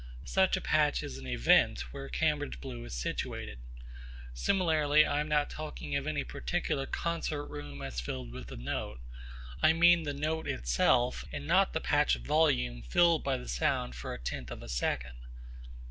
Such a patch is an event where Cambridge blue is situated. Similarly I am not talking of any particular concert room as filled with the note. I mean the note itself and not the patch of volume filled by the sound for a tenth of a second.